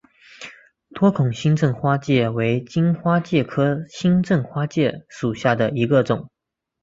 多孔新正花介为荆花介科新正花介属下的一个种。